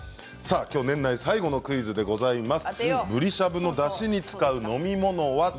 年内最後のクイズでございます。